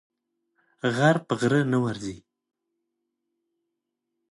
غر په غره نه ورځي.